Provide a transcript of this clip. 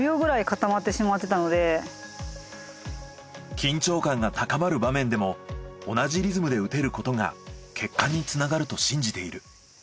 緊張感が高まる場面でも同じリズムで打てることが結果につながると信じている。